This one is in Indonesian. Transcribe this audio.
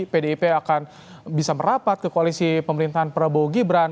pdip akan bisa merapat ke koalisi pemerintahan prabowo gibran